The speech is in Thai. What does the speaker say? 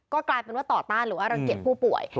ก็กลายเป็นว่าต่อต้านหรือว่ารังเกียจผู้ป่วย